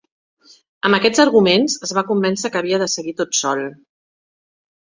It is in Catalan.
Amb aquests arguments es va convèncer que havia de seguir tot sol.